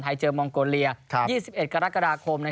เจอมองโกเลีย๒๑กรกฎาคม